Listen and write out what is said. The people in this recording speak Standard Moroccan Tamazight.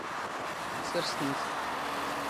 ⵙⵔⵙ ⵜⵏⵜ.